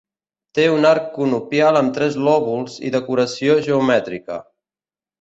Té un arc conopial amb tres lòbuls i decoració geomètrica.